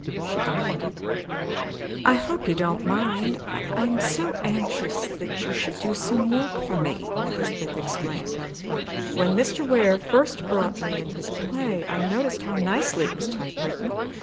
she demanded. "I hope you don't mind I am so anxious that you should do some work for me," Elizabeth explained. "When Mr. Ware first brought me in his play, I noticed how nicely it was typewritten.